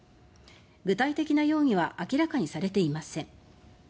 具体的な容疑は明らかにされていません。